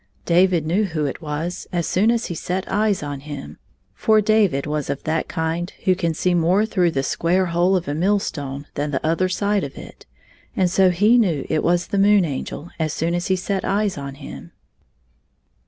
David knew who it was as soon as he set eyes on him, for David was of that kind who can see more through the square hole of a millstone than f other side of it, and so he knew it was the Moon Angel as soon as he set eyes on him.